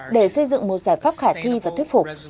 để xây dựng một giải pháp khả thi và thuyết phục